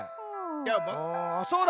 そうだ！